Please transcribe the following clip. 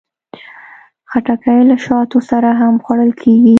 خټکی له شاتو سره هم خوړل کېږي.